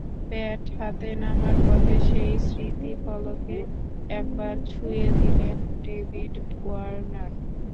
Bat হাতে নামার পথে সেই স্মৃতিফলকে একবার ছুঁয়ে দিলেন ডেভিড ওয়ার্নার।